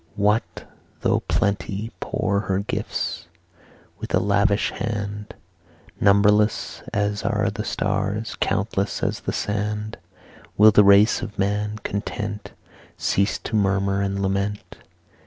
What though Plenty pour her gifts With a lavish hand, Numberless as are the stars, Countless as the sand, Will the race of man, content, Cease to murmur and lament?